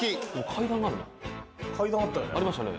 階段あったよね？